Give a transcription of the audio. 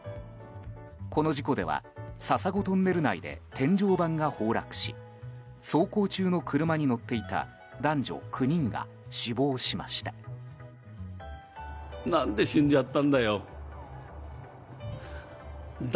この事故では笹子トンネル内で天井板が崩落し走行中の車に乗っていた男女９人が死亡しました。